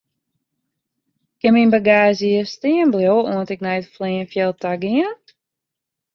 Kin myn bagaazje hjir stean bliuwe oant ik nei it fleanfjild ta gean?